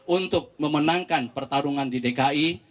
untuk memenangkan pertarungan di dki